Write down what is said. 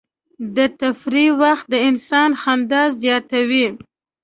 د تفریح وخت د انسان خندا زیاتوي.